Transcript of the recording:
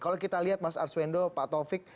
kalau kita lihat mas arswendo pak taufik